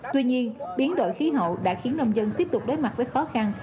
tuy nhiên biến đổi khí hậu đã khiến nông dân tiếp tục đối mặt với khó khăn